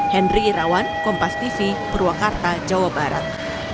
henry irawan kompas tv purwakarta jawa barat